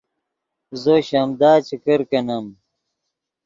زو شیمدا چے کرکینیم